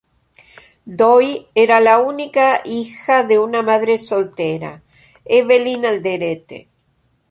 Doi era la única hija de una madre soltera, Evelyn Alderete.